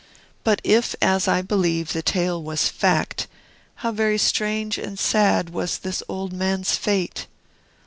But if, as I believe, the tale was fact, how very strange and sad was this old man's fate!